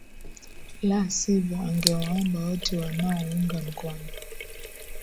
la sivyo angewaomba wote wanaounga mkono